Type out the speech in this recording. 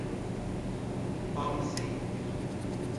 Paulicéia